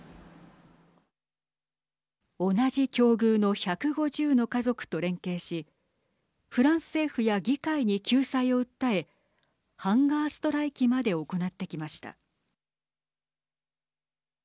同じ境遇の１５０の家族と連携しフランス政府や議会に救済を訴えハンガーストライキまで行ってきました。